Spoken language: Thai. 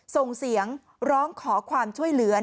ส่งเสียงร้องขอความช่วยเหลือ